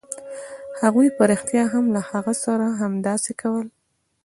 هغوی په رښتیا هم له هغه سره همداسې کول